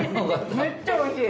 めっちゃ美味しい。